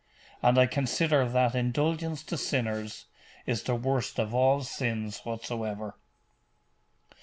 'And I consider that indulgence to sinners is the worst of all sins whatsoever.